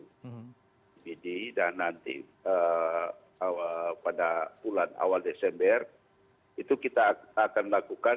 di pd dan nanti pada bulan awal desember itu kita akan lakukan seluruh kabupaten